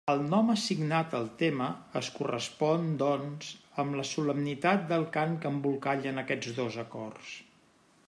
El nom assignat al tema es correspon, doncs, amb la solemnitat del cant que embolcallen aquests dos acords.